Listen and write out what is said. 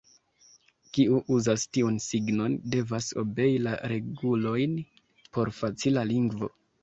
Kiu uzas tiun signon, devas obei la regulojn por facila lingvo.